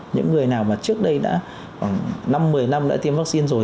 những người nào mà trước đây đã khoảng năm một mươi năm đã tiêm vaccine rồi